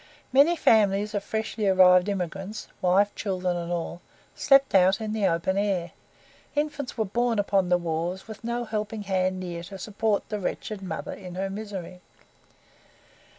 Many families of freshly arrived emigrants wife, children, and all slept out in the open air; infants were born upon the wharves with no helping hand near to support the wretched mother in her misery.